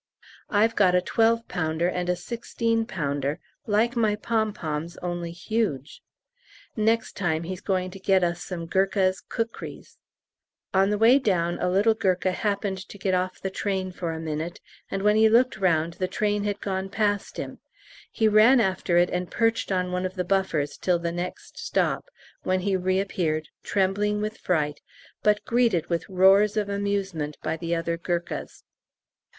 I've got a twelve pounder and a sixteen pounder, like my pom poms, only huge. Next time he's going to get us some Gurkha's kukries. On the way down a little Gurkha happened to get off the train for a minute, and when he looked round the train had gone past him. He ran after it, and perched on one of the buffers till the next stop, when he reappeared, trembling with fright, but greeted with roars of amusement by the other Gurkhas.